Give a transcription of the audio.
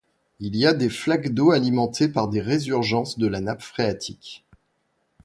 Il y a des flaques d'eau alimentées par des résurgences de la nappe phréatique.